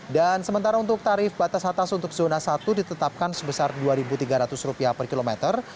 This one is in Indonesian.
dan sementara untuk tarif batas atas untuk zona satu ditetapkan sebesar rp dua tiga ratus per kilometer